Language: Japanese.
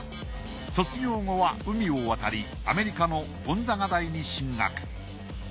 卒業後は海を渡りアメリカのゴンザガ大に進学。